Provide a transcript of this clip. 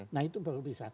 nah itu baru bisa